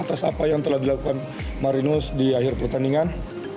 atas apa yang telah dilakukan marinus di akhir pertandingan